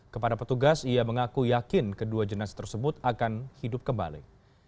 kepada petugas ia mengaku yakin kedua jenazah tersebut akan hidup kembali